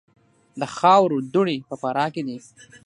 د خاورو دوړې په فراه کې دي